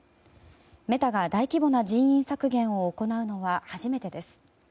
メタが大規模な人員削減を行うのは初めてです。